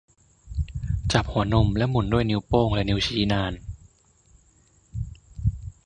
จับหัวนมและหมุนด้วยนิ้วโป้งและนิ้วชี้นาน